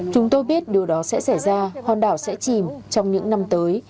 chúng tôi biết điều đó sẽ xảy ra hòn đảo sẽ chìm trong những năm tới